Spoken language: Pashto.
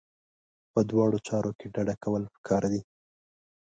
په دواړو چارو کې ډډه کول پکار دي.